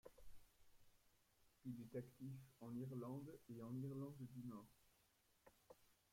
Il est actif en Irlande et en Irlande du Nord.